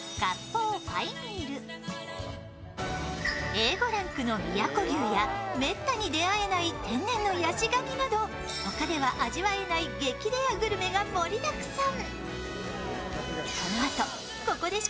Ａ５ランクの宮古牛や、めったに出会えない天然のヤシガニなど他では味わえない激レアグルメが盛りだくさん。